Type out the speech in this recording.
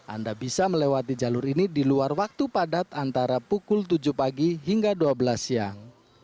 anda bisa melewati jalur ini di luar waktu padat antara pukul tujuh pagi hingga dua belas siang